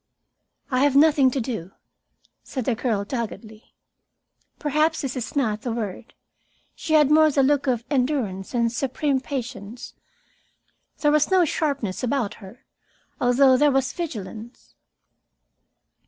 "I have nothing to do," said the girl doggedly. Perhaps this is not the word. She had more the look of endurance and supreme patience. There was no sharpness about her, although there was vigilance.